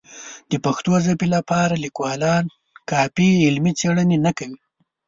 د پښتو ژبې لپاره لیکوالان کافي علمي څېړنې نه کوي.